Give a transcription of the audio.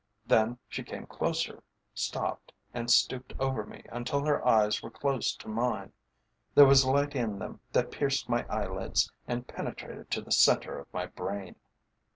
Then, she came closer, stopped, and stooped over me until her eyes were close to mine. There was a light in them that pierced my eyelids and penetrated to the centre of my brain.